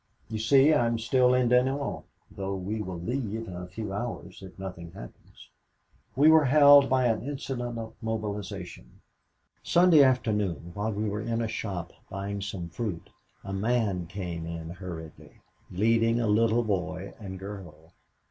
"You see, I am still at Dinant, though we will leave in a few hours if nothing happens! We were held by an incident of mobilization. Sunday afternoon while we were in a shop buying some fruit, a man came in hurriedly, leading a little boy and girl.